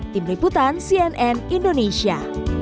tim liputan cnn indonesia